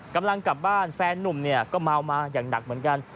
กำลังกลับบ้านแฟนนุ่มเนี่ยก็เมามาอย่างหนักเหมือนกัน